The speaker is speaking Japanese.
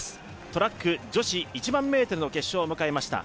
トラック女子１００００ｍの決勝を迎えました。